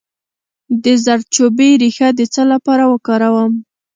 د زردچوبې ریښه د څه لپاره وکاروم؟